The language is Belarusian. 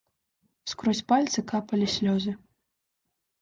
Скрозь пальцы капалі слёзы.